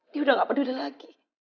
dia udah gak peduli lagi